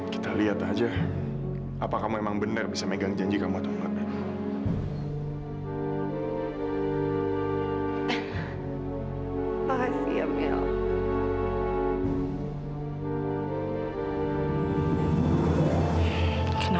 kita lihat aja apa kamu emang benar bisa megang janji kamu atau enggak mil